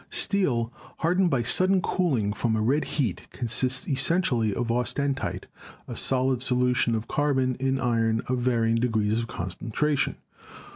Steel hardened by sudden cooling from a red heat con sists essentially of austenite, a solid solution of carbon in iron of varying degrees of concentration.